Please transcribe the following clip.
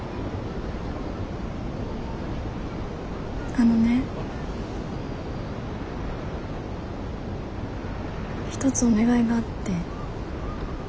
あのね一つお願いがあって。